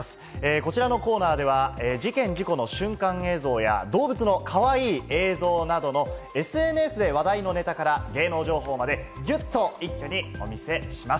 こちらのコーナーでは事件・事故の瞬間映像や動物のかわいい映像などのＳＮＳで話題のネタから芸能情報まで、ぎゅっと一挙にお見せします。